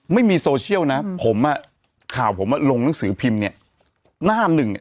ไม่มีโซเชียลนะข่าวผมว่าเราลงหนังสือพิมพ์๑หน้า